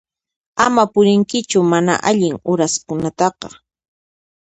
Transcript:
Ama purinkichu mana allin uraskunataqa.